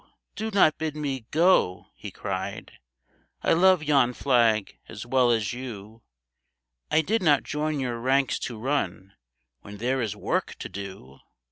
do not bid me go !' he cried ;* I love yon flag as well as you ! 1 did not join your ranks to run When there is work to do !